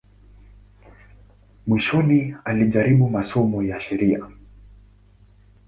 Mwishoni alijaribu masomo ya sheria.